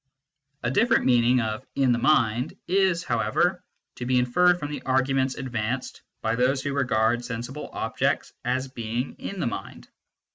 A different meaning of "in the mind " is, however, to be inferred from the arguments advanced by those who regard sensible objects as being in the mind.